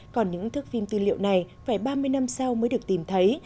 còn những thức phim tư liệu này phải ba mươi năm sau mới được tìm thấy